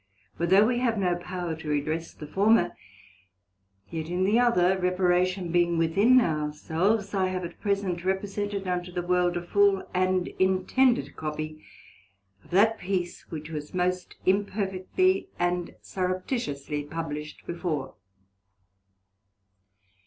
For though we have no power to redress the former, yet in the other, reparation being within our selves, I have at present represented unto the world a full and intended Copy of that Piece, which was most imperfectly and surreptitiously published before.